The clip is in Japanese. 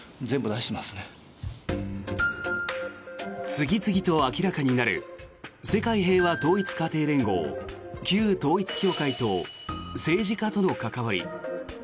次々と明らかになる世界平和統一家庭連合旧統一教会と政治家との関わり。